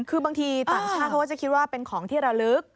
คือบางทีต่างชาติเขาก็จะคิดว่าเป็นของที่ระลึก